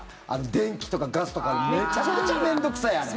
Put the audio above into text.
電気とかガスとかめちゃくちゃ面倒臭い、あれ。